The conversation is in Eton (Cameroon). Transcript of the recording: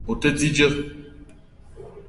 O te di dzeu